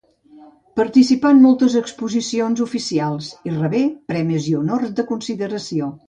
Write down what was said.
Participà en moltes exposicions oficials, i rebé premis i honors de consideració.